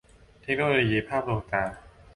เทคโนโลยี-ภาพลวงตา